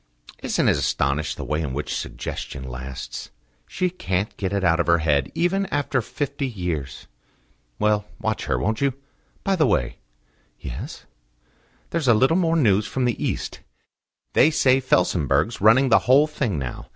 "Isn't it astonishing the way in which suggestion lasts? She can't get it out of her head, even after fifty years. Well, watch her, won't you?... By the way ..." "Yes?" "There's a little more news from the East. They say Felsenburgh's running the whole thing now.